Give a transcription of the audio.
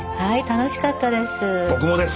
楽しかったです。